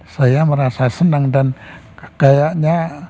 saya merasa senang dan kayaknya